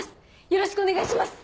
よろしくお願いします。